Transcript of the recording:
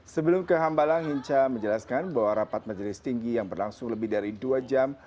sebelum ke hambalang hinca menjelaskan bahwa rapat majelis tinggi yang berlangsung lebih dari dua jam